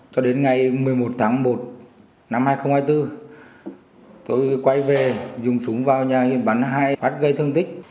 cho đến ngày một mươi một tháng một năm hai nghìn hai mươi bốn tôi quay về dùng súng vào nhà nghiệm bắn hai phát gây thương tích